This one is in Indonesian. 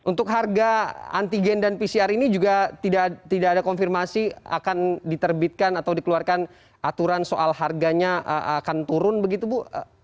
untuk harga antigen dan pcr ini juga tidak ada konfirmasi akan diterbitkan atau dikeluarkan aturan soal harganya akan turun begitu bu